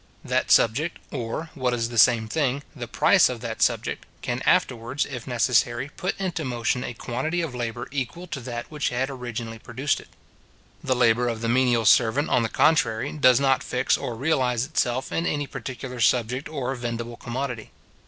That subject, or, what is the same thing, the price of that subject, can afterwards, if necessary, put into motion a quantity of labour equal to that which had originally produced it. The labour of the menial servant, on the contrary, does not fix or realize itself in any particular subject or vendible commodity.